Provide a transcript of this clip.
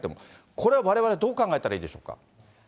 これはわれわれどう考えたらいいでしょうか。